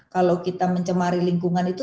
kalau kita mencemari lingkungan itu